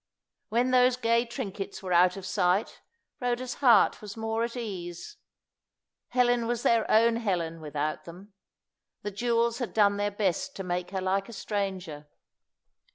When those gay trinkets were out of sight, Rhoda's heart was more at ease. Helen was their own Helen without them; the jewels had done their best to make her like a stranger.